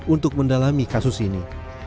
untuk mendalami kasus ini